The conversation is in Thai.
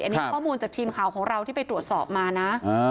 อันนี้ข้อมูลจากทีมข่าวของเราที่ไปตรวจสอบมานะ